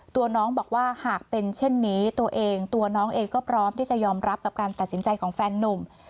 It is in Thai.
ตัวน้องบอกว่าหากเป็นเช่นนี้ตัวเองก็ยอมรับการตัดสินใจของแฟนหนุ่ม